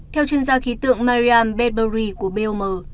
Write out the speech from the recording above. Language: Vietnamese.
theo chuyên gia khí tượng mariam beberi của bom